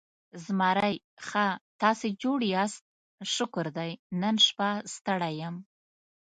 زمری: ښه، تاسې جوړ یاست؟ شکر دی، نن شپه ستړی یم.